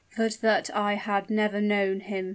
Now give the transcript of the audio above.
"Would that I had never known him!"